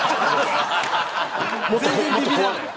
全然ビビらない？